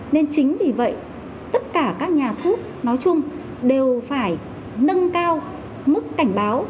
nên chính vì vậy tất cả các nhà thuốc nói chung đều phải nâng cao mức cảnh báo